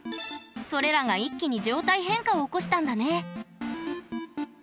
それらが一気に状態変化を起こしたんだね。